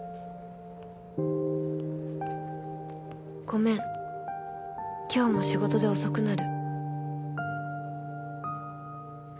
「ごめん、今日も仕事で遅くなる」。